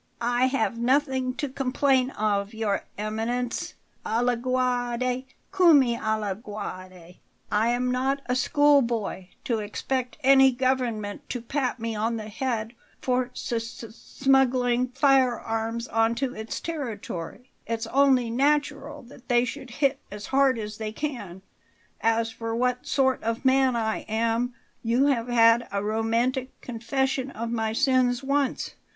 "I have nothing to complain of, Your Eminence. 'A la guerre comme a la guerre.' I am not a schoolboy, to expect any government to pat me on the head for s s smuggling firearms onto its territory. It's only natural that they should hit as hard as they can. As for what sort of man I am, you have had a romantic confession of my sins once.